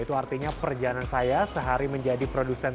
itu artinya perjalanan saya sehari menjadi produsen